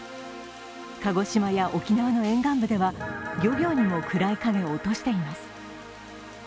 鹿児島や沖縄の沿岸部では漁業にも暗い影を落としています。